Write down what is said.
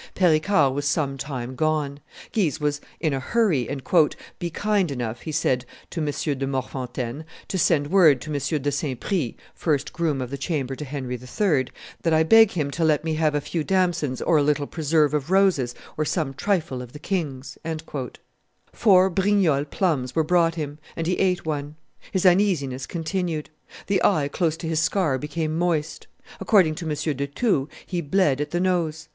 Pericard was some time gone; Guise was in a hurry, and, "Be kind enough," he said to M. de Morfontaines, "to send word to M. de Saint Prix [first groom of the chamber to Henry III.], that I beg him to let me have a few damsons or a little preserve of roses, or some trifle of the king's." Four Brignolles plums were brought him; and he ate one. His uneasiness continued; the eye close to his scar became moist; according to M. de Thou, he bled at the nose.